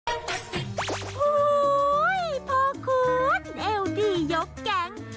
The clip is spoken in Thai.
โอ้โฮพอคุณแอลล์ดียกแก๊ง